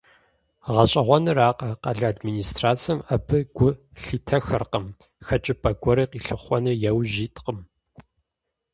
ГъэщӀэгъуэнракъэ, къалэ администрацэм абы гу лъитэххэркъым, хэкӀыпӀэ гуэри къилъыхъуэну яужь иткъым.